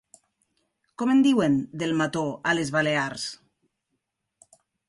Com en diuen, del mató, a les Balears?